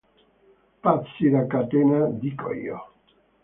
Pazzi da catena, dico io!